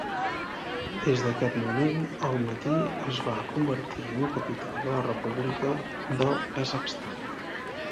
Des d'aquest moment, Almati es va convertir en la capital de la República del Kazakhstan.